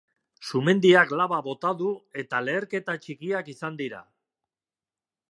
Sumendiak laba bota du, eta leherketa txikiak izan dira.